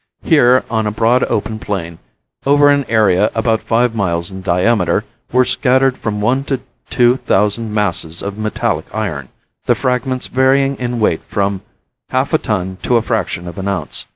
Here, on a broad open plain, over an area about five miles in diameter, were scattered from one to two thousand masses of metallic iron, the fragments varying in weight from half a ton to a fraction of an ounce.